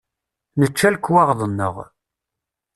Nečča lekwaɣeḍ-nneɣ.